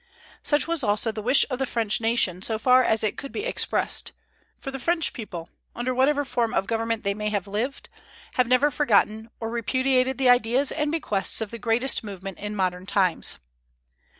Such was also the wish of the French nation, so far as it could be expressed; for the French people, under whatever form of government they may have lived, have never forgotten or repudiated the ideas and bequests of the greatest movement in modern times.